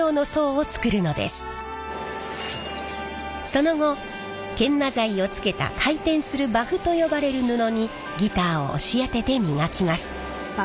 その後研磨剤を付けた回転するバフと呼ばれる布にギターを押し当てて磨きます。